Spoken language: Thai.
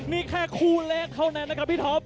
นี่แค่คู่แรกเท่านั้นนะครับพี่ท็อป